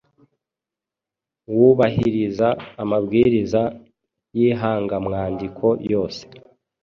wubahiriza amabwiriza y’ihangamwandiko yose.